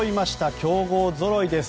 強豪ぞろいです。